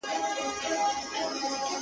ځان تر ټول جهان لایق ورته ښکاریږي -